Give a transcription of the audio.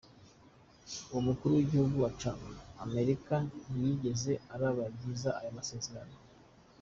Uwo mukuru w'igihugu ca Amerika ntiyigeze araba ryiza ayo masezerano.